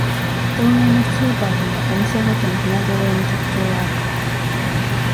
同名のスーパーでもお店ごとに品ぞろえに特徴がある